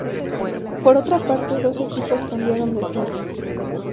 Por otra parte, dos equipos cambiaron de sede.